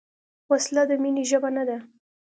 وسله د مینې ژبه نه ده